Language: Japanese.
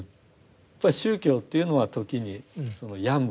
やっぱり宗教っていうのは時に病む。